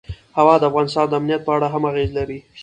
هوا د افغانستان د امنیت په اړه هم اغېز لري.